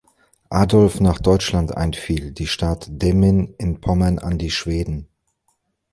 Adolf nach Deutschland einfiel, die Stadt Demmin in Pommern an die Schweden.